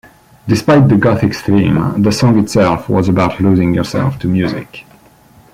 Despite the gothic theme, the song itself was about losing yourself to music.